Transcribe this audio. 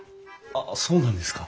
ああそうなんですか。